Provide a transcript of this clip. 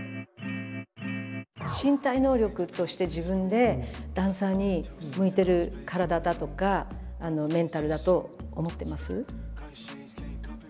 身体能力として自分でダンサーに向いてる体だとかメンタルだと思ってます？